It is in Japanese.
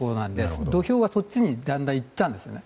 土俵は、そっちにだんだんいったんですね。